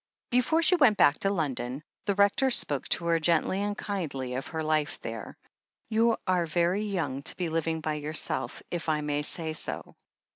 Before she went back to London the Rector spoke to her gently and kindly of her life there. "You are very young to be living by yourself, if I may say so.